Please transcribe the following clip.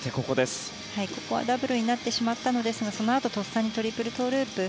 ここはダブルになってしまったのですがそのあと、とっさにトリプルトウループを。